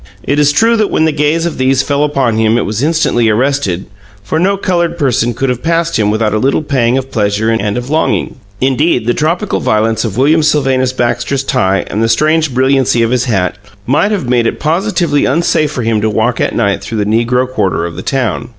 It is true that when the gaze of these fell upon him it was instantly arrested, for no colored person could have passed him without a little pang of pleasure and of longing. Indeed, the tropical violence of William Sylvanus Baxter's tie and the strange brilliancy of his hat might have made it positively unsafe for him to walk at night through the negro quarter of the town.